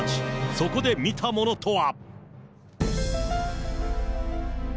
そこで見たものとは？